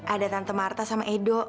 ada tante marta sama edo